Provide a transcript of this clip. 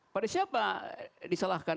pada siapa disalahkan